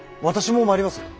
私も参ります。